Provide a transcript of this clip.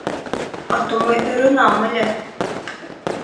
А то мый ӧрынам ыле.